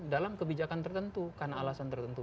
dalam kebijakan tertentu karena alasan tertentu